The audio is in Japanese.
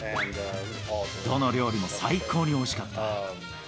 どの料理も最高においしかった。